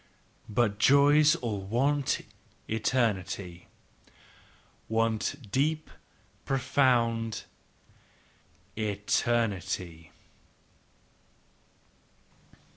"But joys all want eternity ," Want deep, profound eternity!"